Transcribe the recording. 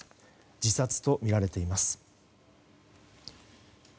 自殺とみられています。